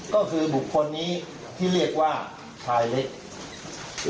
ก็คือบุคคลนี้ที่เรียกว่าชายเล็ก